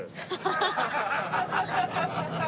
ハハハハハ。